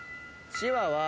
チワワ。